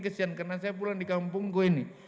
kesian karena saya pulang di kampungku ini